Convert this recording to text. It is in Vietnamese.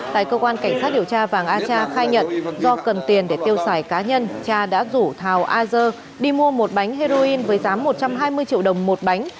tại cơ quan cảnh sát điều tra vàng a cha khai nhận do cần tiền để tiêu sải cá nhân cha đã rủ thào a giơ đi mua một bánh heroin với giá một trăm hai mươi đồng